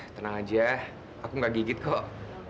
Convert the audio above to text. tenang aja aku gak gigit kok